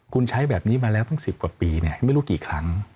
คุณใช้แบบนี้มาแล้วตั้ง๑๐กว่าปีไม่รู้กี่ครั้ง